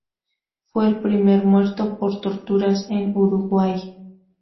Fue el primer muerto por torturas en Uruguay.